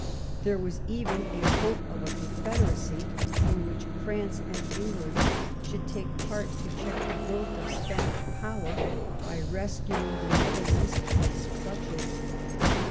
There was even a hope of a confederacy in which France and England should take part to check the growth of Spanish power by rescuing the Netherlands from its clutches.